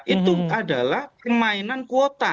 itu adalah permainan kuota